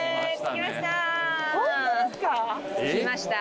着きました。